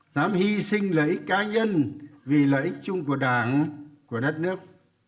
dám hy sinh lợi ích cá nhân vì lợi ích chung của đảng của đất nước